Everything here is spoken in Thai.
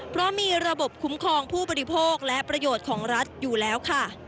เพราะมีระบบคุ้มครองผู้บริโภคและประโยชน์ของรัฐอยู่แล้วค่ะ